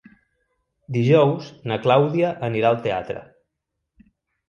Dijous na Clàudia anirà al teatre.